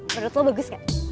menurut lo bagus gak